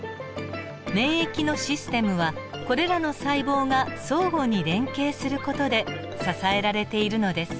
免疫のシステムはこれらの細胞が相互に連携する事で支えられているのです。